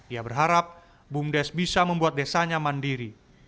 ia berharap bumdes bisa membuat desanya mandiri